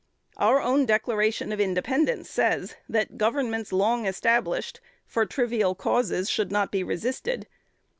Our own Declaration of Independence says, that governments long established, for trivial causes should not be resisted.